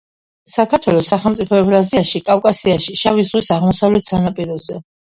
საქართველო, სახელმწიფო ევრაზიაში, კავკასიაში, შავი ზღვის აღმოსავლეთ სანაპიროზე.